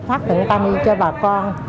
phát tận tâm cho bà con